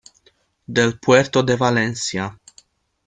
del puerto de Valencia.